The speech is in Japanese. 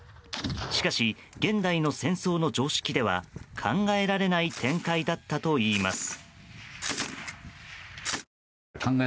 しかし、現代の戦争の常識では考えられない展開だったといいます。